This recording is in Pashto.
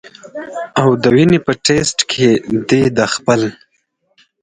او د وینې پۀ ټېسټ کښې دې د خپل